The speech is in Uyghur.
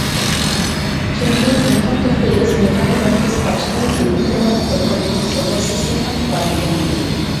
چۈنكى ئىلھام توختى ئۆز مەيدانى ۋە كۆز -قاراشلىرىنى بۈگۈنكى دۇنيا قوبۇل قىلىدىغان ئۇسۇلدا سىستېمىلىق ئىپادىلىگەنىدى.